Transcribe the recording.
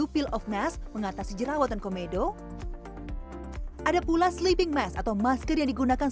peel off mask mengatasi jerawat dan komedo ada pula sleeping mask atau masker yang digunakan